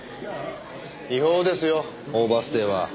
違法ですよオーバーステイは。